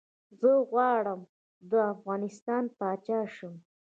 زه غواړم ده افغانستان پاچا شم